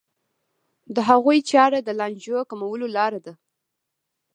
د هغوی چاره د لانجو کمولو لاره ده.